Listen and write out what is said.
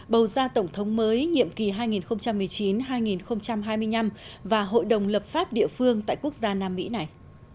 bầu ra tổng thống mới nhiệm kỳ hai nghìn một mươi chín hai nghìn hai mươi năm và hội đồng lập pháp địa phương tại quốc gia nam mỹ này